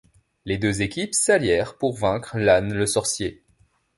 Les deux équipes s'allièrent pour vaincre Llan le Sorcier.